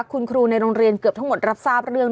คุณครูในโรงเรียนเกือบทั้งหมดรับทราบเรื่อง